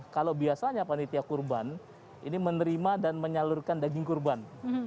kalau biasanya panitia kurban ini menerima dan menyalurkan daging kurban